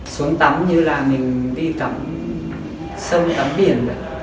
xuống tắm như là mình đi tắm sông tắm biển